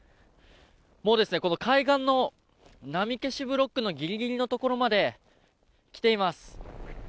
もうこの海岸の波消しブロックのギリギリのところまで来ています。